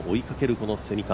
この蝉川。